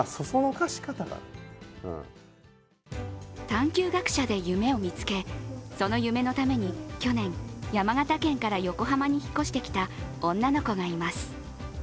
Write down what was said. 探求学舎で夢を見つけ、その夢のために去年、山形県から横浜に引っ越してきた女の子がいます。